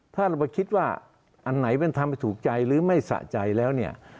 ถ้าเราไปคิดว่าอันไหนเป็นทำให้ถูกใจหรือไม่สะใจแล้วเนี่ย